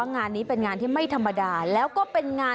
นี่เขาต้มหรือเปล่า